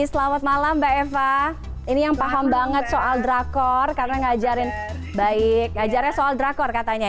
selamat malam mbak eva ini yang paham banget soal drakor karena ngajarin baik ngajarnya soal drakor katanya ya